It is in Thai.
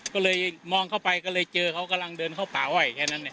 ก็เลยมองเข้าไปก็เลยเจอเขากำลังเดินเข้าป่าอ้อยแค่นั้นเนี่ย